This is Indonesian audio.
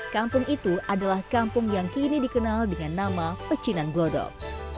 kampung itu adalah kampung yang kini dikenal dengan nama pecinan glodok